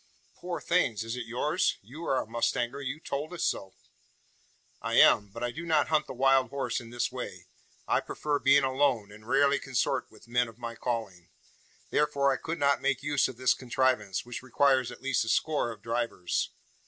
"Poor things! Is it yours? You are a mustanger? You told us so?" "I am; but I do not hunt the wild horse in this way. I prefer being alone, and rarely consort with men of my calling. Therefore I could not make use of this contrivance, which requires at least a score of drivers.